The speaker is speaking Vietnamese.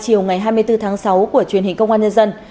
chiều ngày hai mươi bốn tháng sáu của truyền hình công an nhân dân